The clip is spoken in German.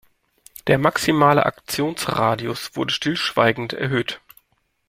Der maximale Aktionsradius wurde stillschweigend erhöht.